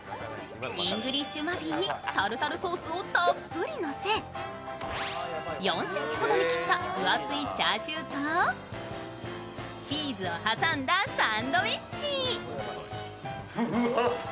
イングリッシュマフィンにタルタルソースをたっぷりのせ４ｃｍほどに切った分厚いチャーシューとチーズを挟んだサンドイッチ。